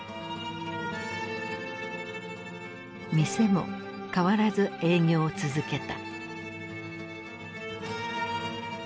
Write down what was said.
店も変わらず営業を続けた。